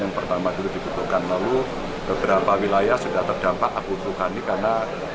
yang pertama dulu dibutuhkan lalu beberapa wilayah sudah terdampak abu vulkanik karena